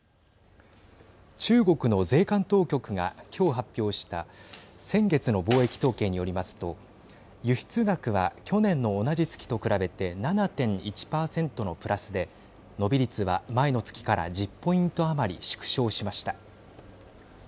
中国の税関当局が今日発表した先月の貿易統計によりますと輸出額は、去年の同じ月と比べて７．１％のプラスで伸び率は前の月から１０ポイント余り縮小しました。